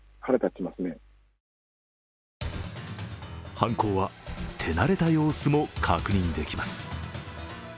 犯行は手慣れた様子も確認できます。